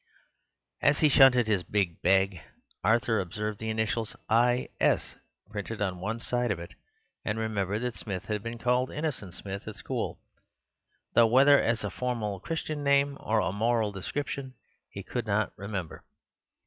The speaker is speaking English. As he shunted his big bag, Arthur observed the initials I. S. printed on one side of it, and remembered that Smith had been called Innocent Smith at school, though whether as a formal Christian name or a moral description he could not remember.